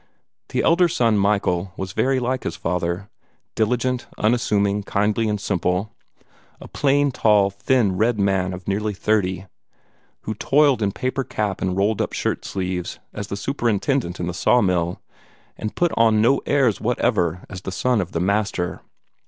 The elder son Michael was very like his father diligent, unassuming, kindly, and simple a plain, tall, thin red man of nearly thirty, who toiled in paper cap and rolled up shirt sleeves as the superintendent in the saw mill, and put on no airs whatever as the son of the master.